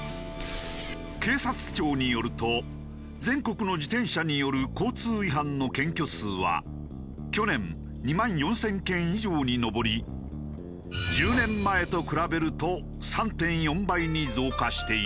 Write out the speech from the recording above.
警察庁によると全国の自転車による交通違反の検挙数は去年２万４０００件以上に上り１０年前と比べると３．４倍に増加している。